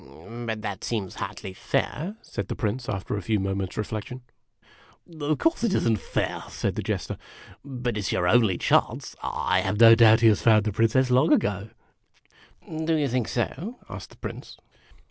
" But that seems hardly fair," said the Prince, after a few mo ments' reflection. "Of course it is n't fair," said the Jester; "but it 's your only chance. I have no doubt he has found the Princess lono" a^o." o o " Do you think so?" asked the Prince.